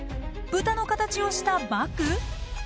豚の形をしたバッグ？